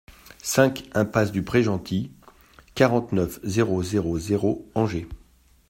cinq iMPASSE DU PREGENTIL, quarante-neuf, zéro zéro zéro, Angers